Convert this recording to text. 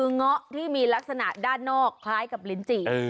เงาะที่มีลักษณะด้านนอกคล้ายกับลิ้นจี่